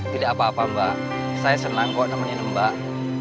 tidak apa apa mbak saya senang kok nemenin mbak